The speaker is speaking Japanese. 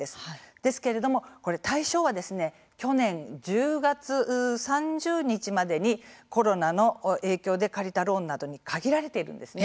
ですけれども対象は去年１０月３０日までにコロナの影響で借りたローンなどに限られているんです。